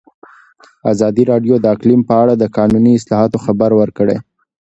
ازادي راډیو د اقلیم په اړه د قانوني اصلاحاتو خبر ورکړی.